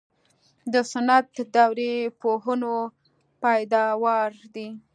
د سنت دورې پوهنو پیداوار دي.